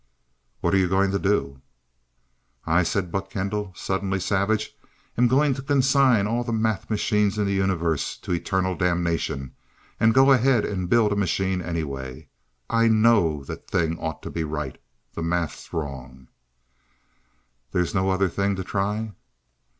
"What are you going to do?" "I," said Buck Kendall, suddenly savage, "am going to consign all the math machines in the universe to eternal damnation and go ahead and build a machine anyway. I know that thing ought to be right. The math's wrong." "There is no other thing to try?"